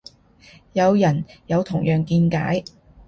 有人有同樣見解